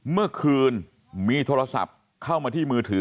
เมื่อคืนมีโทรศัพท์เข้ามาที่มือถือ